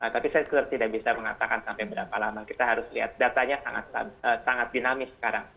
tapi saya tidak bisa mengatakan sampai berapa lama kita harus lihat datanya sangat dinamis sekarang